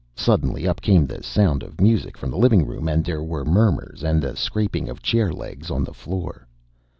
Suddenly, up came the sound of music from the living room and there were murmurs and the scraping of chair legs on the floor.